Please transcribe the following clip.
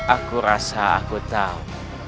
aku rasa aku tahu